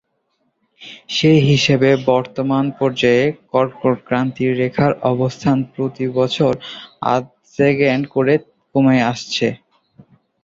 সেই হিসাবে বর্তমান পর্যায়ে কর্কটক্রান্তি রেখার অবস্থান প্রতি বছর আধ সেকেন্ড করে কমে আসছে।